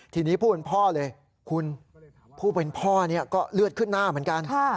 ทีนี้ผู้เป็นพ่อเลยคุณผู้เป็นพ่อก็เลือดขึ้นหน้าเหมือนกัน